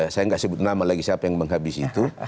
saya tidak sebut nama lagi siapa yang menghabis itu